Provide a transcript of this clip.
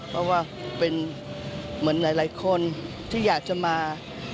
เพราะว่าเป็นเหมือนหลายคนที่อยากจะมา